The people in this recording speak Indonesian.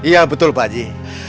iya betul pak aji